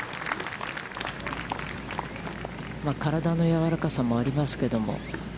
体の柔らかさもありますけれども。